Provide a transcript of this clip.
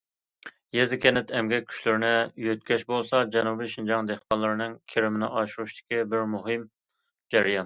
يېزا- كەنت ئەمگەك كۈچلىرىنى يۆتكەش بولسا جەنۇبىي شىنجاڭ دېھقانلىرىنىڭ كىرىمىنى ئاشۇرۇشتىكى بىر مۇھىم جەريان.